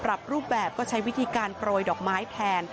ปรับรูปแบบก็ใช้วิธีการโปรยดอกไม้แทน